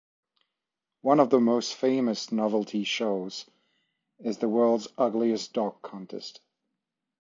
One of the most famous "novelty shows" is the World's Ugliest Dog Contest.